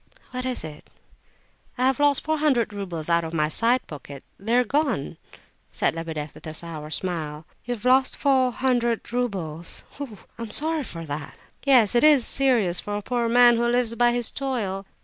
"What is it?" "I have lost four hundred roubles out of my side pocket! They're gone!" said Lebedeff, with a sour smile. "You've lost four hundred roubles? Oh! I'm sorry for that." "Yes, it is serious for a poor man who lives by his toil."